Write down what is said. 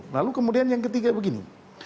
lalu kemudian yang ketiga begini